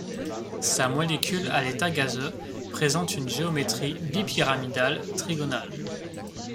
Sa molécule à l'état gazeux présente une géométrie bipyramidale trigonale.